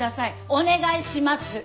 お願いします。